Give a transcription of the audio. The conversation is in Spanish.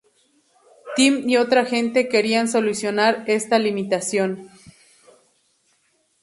Tim y otra gente querían solucionar esta limitación.